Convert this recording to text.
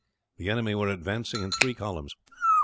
The enemy were advancing in three columns.